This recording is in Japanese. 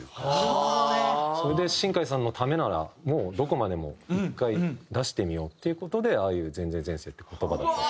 それで新海さんのためならもうどこまでも１回出してみようっていう事でああいう「前前前世」って言葉だったりとか。